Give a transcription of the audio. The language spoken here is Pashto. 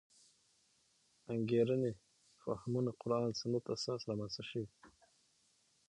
انګېرنې فهمونه قران سنت اساس رامنځته شوې.